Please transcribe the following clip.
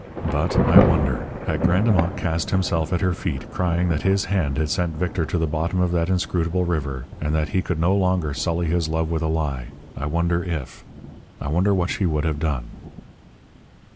But, I wonder, had Grandemont cast himself at her feet crying that his hand had sent Victor to the bottom of that inscrutable river, and that he could no longer sully his love with a lie, I wonder if I wonder what she would have done!